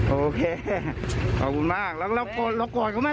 โอเคเคขอบคุณมากแล้วก็เราโกรธเราโกรธเขาไหม